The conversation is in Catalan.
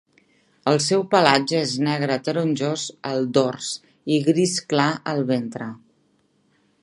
El seu pelatge és negre taronjós al dors i gris clar al ventre.